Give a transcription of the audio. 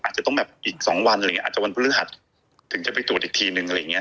อาจจะต้องแบบอีก๒วันอะไรอย่างนี้อาจจะวันพฤหัสถึงจะไปตรวจอีกทีนึงอะไรอย่างเงี้